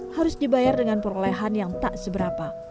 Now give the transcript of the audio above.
harus dibayar dengan perolehan yang tak seberapa